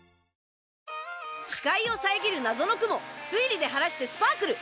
視界を遮る謎の雲推理で晴らしてスパークル！